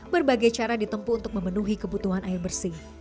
berbagai cara ditempu untuk memenuhi kebutuhan air bersih